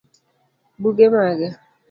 Buge mage?